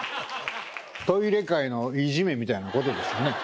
トイレ界のいじめみたいなことですよね